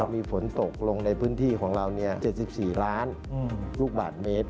มีฝนตกลงในพื้นที่ของเรา๗๔ล้านลูกบาทเมตร